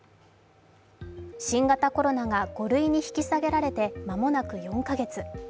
新型コロナが５類に引き下げられて間もなく４か月。